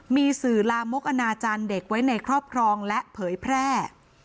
มีสื่อลามกอนาจารย์เด็กไว้ในครอบครองและเผยแพร่